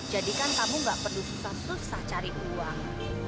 jadi kan kamu gak perlu susah susah cari uang